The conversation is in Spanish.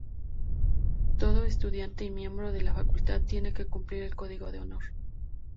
Todo estudiante y miembro de la facultad tiene que cumplir el código de honor.